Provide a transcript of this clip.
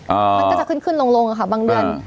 มันก็จะขึ้นขึ้นลงลงค่ะบางเดือน